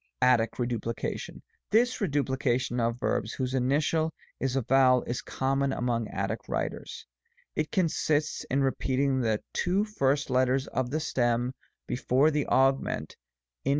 ATTIC REDUPLICATION. This reduplication of verbs, whose initial is a vowel, is common among Attic writers. It consists in repeating the two first letters of the stem before * For the principle of Reduplication, see §48.